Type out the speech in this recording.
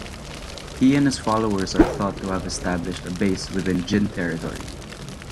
He and his followers are thought to have established a base within Jin territory.